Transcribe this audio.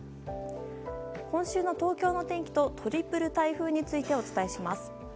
今週の東京の天気とトリプル台風についてお伝えします。